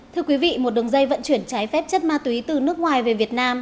thưa quý vị một đường dây vận chuyển trái phép chất ma túy từ nước ngoài về việt nam